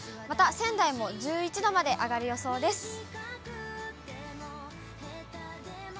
また仙台も１１度まで上がる予想です。